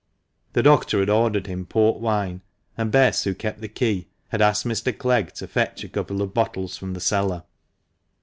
The doctor had ordered him port wine, and Bess, who kept the key, had asked Mr. Clegg to fetch a couple of bottles from the cellar.